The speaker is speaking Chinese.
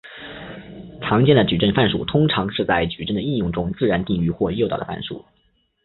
常见的矩阵范数通常是在矩阵的应用中自然定义或诱导的范数。